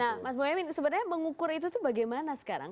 nah mas boyamin sebenarnya mengukur itu tuh bagaimana sekarang